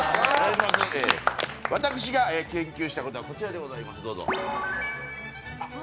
私が研究したことはこちらでございます。